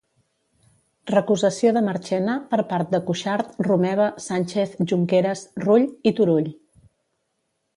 Recusació de Marchena per part de Cuixart, Romeva, Sànchez, Junqueras, Rull i Turull.